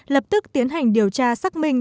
lập tức tiến hành điều tra xác minh